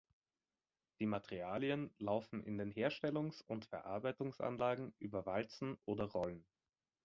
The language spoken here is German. Die Materialien laufen in den Herstellungs- und Verarbeitungsanlagen über Walzen oder Rollen.